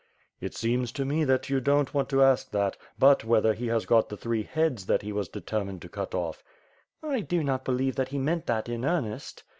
"It seems to me that you don't want to ask that, but whether he has got the three heads that he was determined to cut off." "I do not believe that he meant that in earnest."